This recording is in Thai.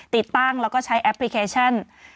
ติดตั้งแล้วก็ใช้แอปพลิเคชัน